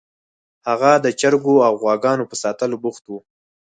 هغه د چرګو او غواګانو په ساتلو بوخت و